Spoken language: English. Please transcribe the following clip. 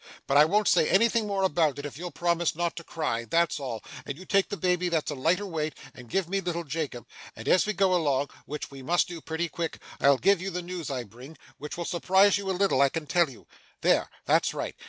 But I won't say anything more about it, if you'll promise not to cry, that's all; and you take the baby that's a lighter weight, and give me little Jacob; and as we go along (which we must do pretty quick) I'll give you the news I bring, which will surprise you a little, I can tell you. There that's right.